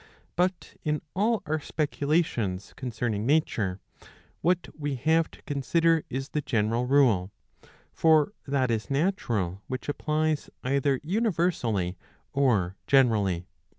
^''^ But in all our speculations concerning nature, what we have to consider is the general rule ; for that is natural which applies either universally or generally.'